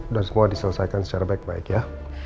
dan semua diselesaikan secara baik baik ya